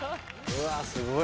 うわすごい。